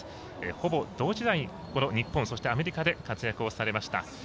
ほぼ同時代に日本、アメリカで活躍をされました。